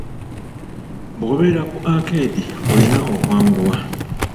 Bw'obeera ku akeedi oyina okwanguwa.